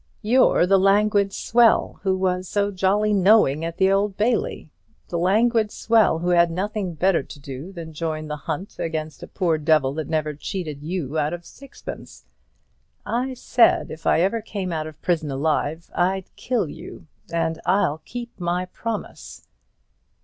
You're the languid swell, who was so jolly knowing at the Old Bailey, the languid swell who had nothing better to do than join the hunt against a poor devil that never cheated you out of sixpence. I said, if ever I came out of prison alive, I'd kill you; and I'll keep my promise."